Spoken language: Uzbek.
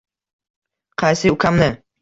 Qaysi ukamni?